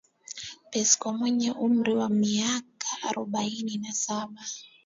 Pascoe mwenye umri wa miaka arobaini na saba